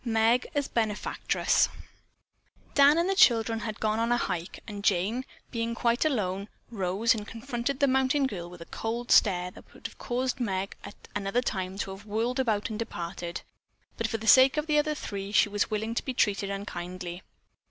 MEG AS BENEFACTRESS Dan and the children had gone on a hike, and Jane, being quite alone, rose and confronted the mountain girl with a cold stare that would have caused Meg at another time to have whirled about and departed, but for the sake of the other three she was willing to be treated unkindly.